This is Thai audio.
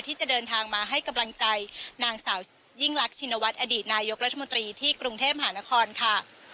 ที่จะเดินทางมาให้กำลังใจนางสาวยิ่งรักชินวัฒน์อดีตนายกรัฐมนตรีที่กรุงเทพหานครค่ะ